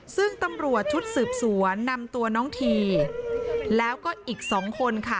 ซึ่งตำรวจชุดสืบสวนนำตัวน้องทีแล้วก็อีกสองคนค่ะ